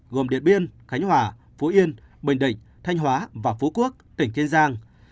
gồm điện biên khánh hòa phú yên bình định thanh hóa và phú quốc tỉnh kiên giang